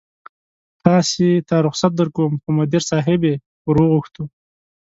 تاسې ته رخصت درکوم، خو مدیر صاحبې ور وغوښتو.